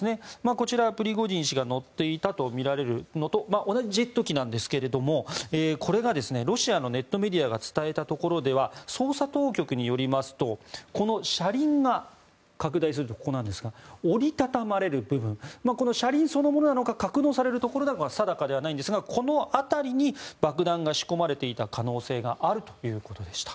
こちら、プリゴジン氏が乗っていたとみられるのと同じジェット機ですがこれがロシアのネットメディアが伝えたところでは捜査当局によりますとこの車輪が、折りたたまれる部分この車輪そのものなのか格納されるところなのかは定かではないんですがこの辺りに爆弾が仕込まれていた可能性があるということでした。